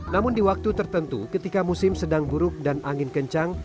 namun di waktu tertentu ketika musim sedang buruk dan angin kencang